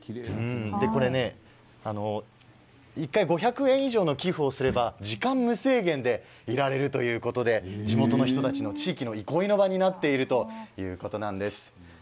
１回５００円以上の寄付をすれば時間無制限でいられるということで地元の人たちの地域の憩いの場になっているということなんです。